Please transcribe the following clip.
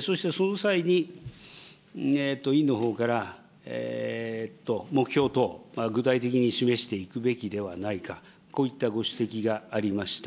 そして、その際に委員のほうから目標等、具体的に示していくべきではないか、こういったご指摘がありました。